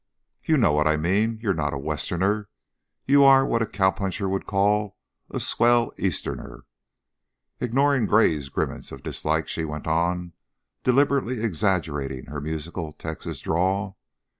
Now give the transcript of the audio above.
"You know what I mean. You're not a Westerner. You are what a cowpuncher would call a swell Easterner." Ignoring Gray's grimace of dislike she went on, deliberately exaggerating her musical Texas drawl.